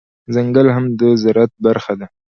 ځنګل هم د زرعت برخه ده